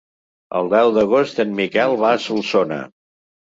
El deu d'agost en Miquel va a Solsona.